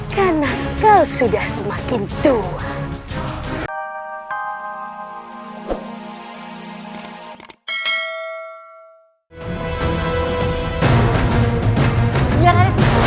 karena kau sudah semakin tua